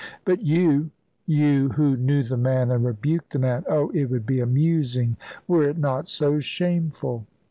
But you you, who knew the man, and rebuked the man oh, it would be amusing were it not so shameful."